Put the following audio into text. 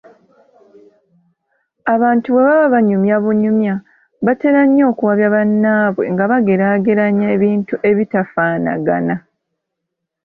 Abantu bwe baba banyumya bunyumya batera nnyo okuwabya bannaabwe nga bageraageranya ebintu ebitafaanaga na.